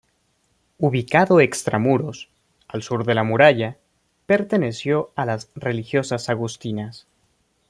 Ubicado extramuros, al sur de la muralla, perteneció a las religiosas agustinas.